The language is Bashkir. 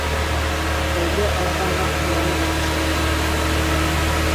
Бәйле арыҫланға ҡуян да ташлана.